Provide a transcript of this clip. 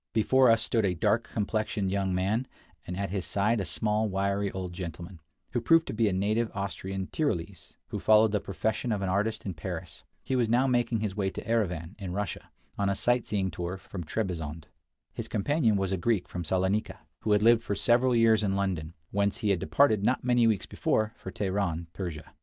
Before us stood a dark complexioned young 48 Across Asia on a Bicycle man, and at his side a small wiry old gentleman, who proved to be a native Austrian Tyrolese, who followed the profession of an artist in Paris. He was now making his way to Erivan, in Russia, on a sight seeing tour from Trebizond. His companion was a Greek from Salonica, who had lived for several years in London, whence he had departed not many weeks before, for Teheran, Persia.